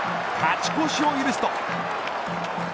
勝ち越しを許すと。